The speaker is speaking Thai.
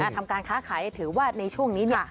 ทำการค้าขายถือว่าในช่วงนี้